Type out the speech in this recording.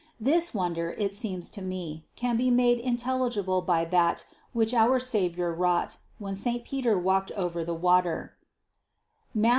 This wonder, it seems to me, can be made intelligible by that which our Savior wrought, when saint Peter walked over the water (Matth.